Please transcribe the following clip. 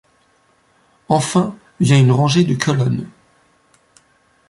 Enfin vient une rangée de colonnes.